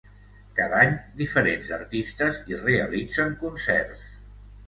Cada any diferents artistes hi realitzen concerts.